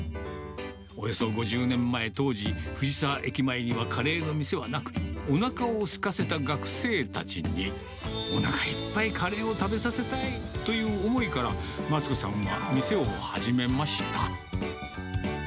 およそ５０年前、当時、藤沢駅前にはカレーの店はなく、おなかをすかせた学生たちに、おなかいっぱいカレーを食べさせたいという思いから、松子さんは店を始めました。